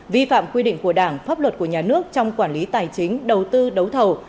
vi phạm quy định của đảng pháp luật của nhà nước trong quản lý tài chính đầu tư đấu thầu